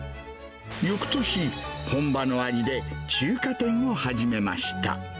よくとし、本場の味で中華店を始めました。